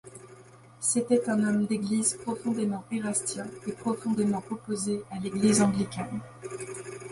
C'était un homme d'église profondément érastien et profondément opposé à l'Église anglicane.